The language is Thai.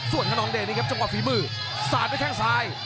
ส่วนข้าน้องเดชน์นี่ครับจงกว่าฝีมือสารด้วยแข่งสาย